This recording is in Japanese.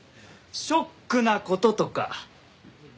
ショックな事とか。